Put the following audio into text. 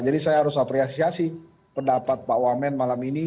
jadi saya harus apresiasi pendapat pak wamen malam ini